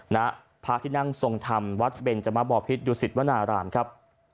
ณพระที่นั่งทรงธรรมวัดเบนจมะบอพิษดุสิตวนารามครับ